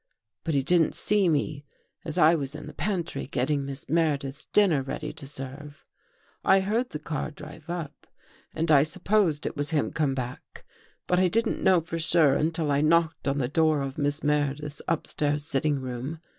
But he didn't see me, as I was in the pantry getting Miss Meredith's dinner ready to serve. " I heard the car drive up and I supposed it was him come back, but I didn't know for sure until I knocked on the door of Miss Meredith's upstairs sitting room.